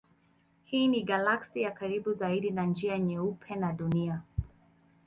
Hii ni galaksi ya karibu zaidi na Njia Nyeupe na Dunia.